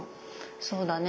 そうだね。